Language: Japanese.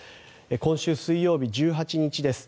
今週水曜日、１８日です。